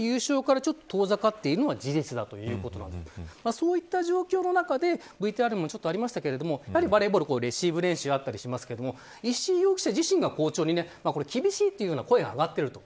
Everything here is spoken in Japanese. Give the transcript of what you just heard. そういった状況の中でＶＴＲにもありましたがバレーボールのレシーブ練習があったりしますが石井容疑者自身が校長に厳しいというような声が上がっていると。